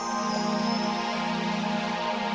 aku mau bikin kamu bingung